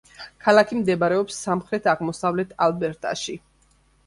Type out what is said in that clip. ქალაქი მდებარეობს სამხრეთ-აღმოსავლეთ ალბერტაში.